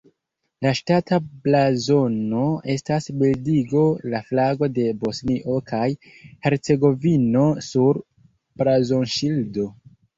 La ŝtata blazono estas bildigo la flago de Bosnio kaj Hercegovino sur blazonŝildo.